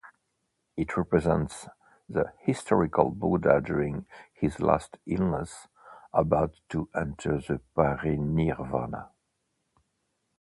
It represents the historical Buddha during his last illness, about to enter the parinirvana.